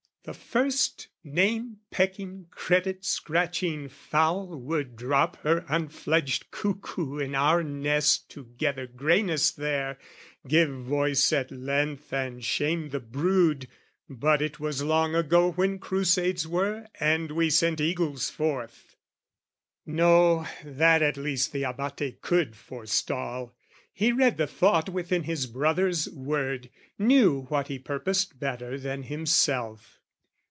The first name pecking credit scratching fowl Would drop her unfledged cuckoo in our nest To gather greyness there, give voice at length And shame the brood...but it was long ago When crusades were, and we sent eagles forth! No, that at least the Abate could forestall. He read the thought within his brother's word, Knew what he purposed better than himself.